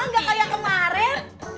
gak kayak kemarin